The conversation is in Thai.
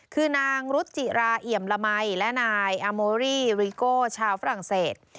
คือนางรุจิราเอี่ยมละมัยและนายอาโมรี่ริโก้ชาวฝรั่งเศส